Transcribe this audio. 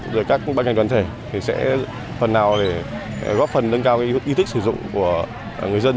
và các bác ngành đoàn thể thì sẽ phần nào để góp phần nâng cao ý thức sử dụng của người dân